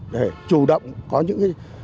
để chủ động có những cái